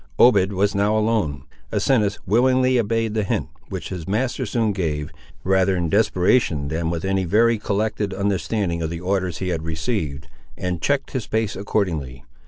Obed was now alone. Asinus willingly obeyed the hint which his master soon gave, rather in desperation than with any very collected understanding of the orders he had received, and checked his pace accordingly.